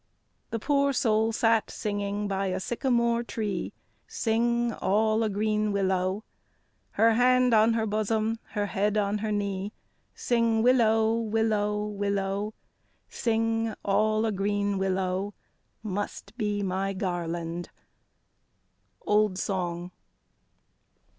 The poor soul sat singing by a sycamore tree, Sing all a green willow; Her hand on her bosom, her head on her knee, Sing willow, willow, willow; Sing all a green willow must be my garland. OLD SONG.